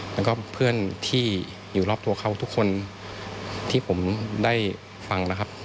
แล้วก็เพื่อนที่อยู่รอบตัวเขาทุกคนที่ผมได้ฟังนะครับ